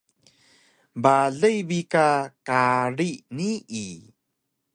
Balay bi ka kari nii